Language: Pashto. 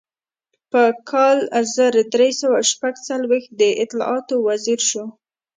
په کال زر درې سوه شپږ څلویښت د اطلاعاتو وزیر شو.